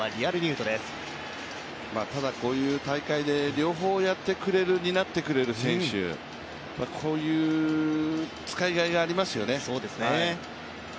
ただ、こういう大会で、両方やってくれる、担ってくれる選手使いがいがありますよね。